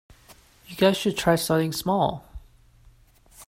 You guys should try starting small.